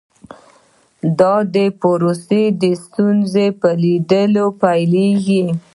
دا پروسه د ستونزې په لیدلو پیلیږي.